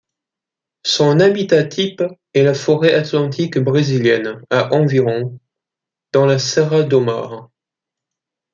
Son habitat-type est la forêt atlantique brésilienne à environ, dans la Serra do Mar.